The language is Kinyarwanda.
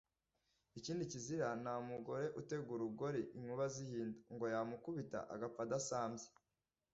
Ikindi kizira, nta mugore utega urugoli inkuba zihinda, ngo yamukubita agapfa adasambye